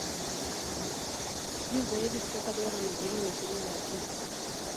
juu zaidi kutoka dola milioni ishirini na tisa.